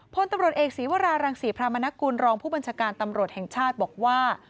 พลตำรวจเอกศีวรารังศรีพรามนกุลรองผู้บัญชาการตำรวจแห่งชาติบอกว่า